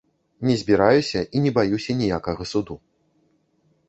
Не збіраюся і не баюся ніякага суду.